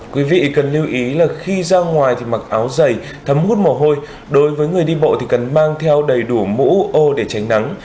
quý vị cần lưu ý là khi ra ngoài thì mặc áo dày thấm hút mồ hôi đối với người đi bộ thì cần mang theo đầy đủ mũ ô để tránh nắng